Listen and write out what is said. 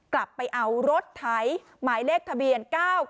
กลับไปเอารถไถหมายเลขทะเบียน๙๙